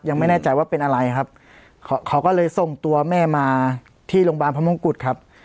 ยังไม่แน่ใจว่าเป็นอะไรครับเขาเขาก็เลยส่งตัวแม่มาที่โรงพยาบาลพระมงกุฎครับ